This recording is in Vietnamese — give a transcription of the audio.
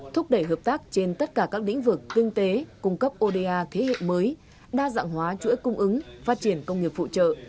thúc đẩy hợp tác trên tất cả các lĩnh vực kinh tế cung cấp oda thế hệ mới đa dạng hóa chuỗi cung ứng phát triển công nghiệp phụ trợ